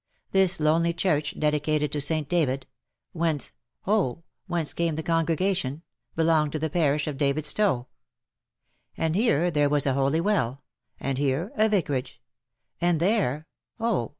This lonely church, dedicated to St. David — whence, oh ! whence came the congregation — belonged to the parish of Davidstowe; and here there was a holy well ; and here a Vicarage ; and there — oh